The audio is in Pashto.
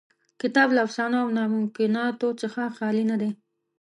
کتاب له افسانو او ناممکناتو څخه خالي نه دی.